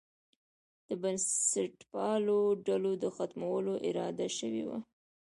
د بنسټپالو ډلو د ختمولو اراده شوې وه.